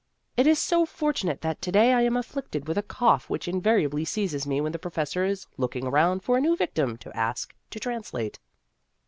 It is so fortunate that to day I am afflicted with a cough which invari ably seizes me when the professor is looking around for a new victim to ask to translate.